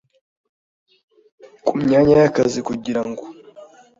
Ku myanya y akazi kugira ngo